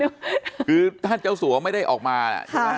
คือท่านเจ้าสัวไม่ได้ออกมาเนี่ย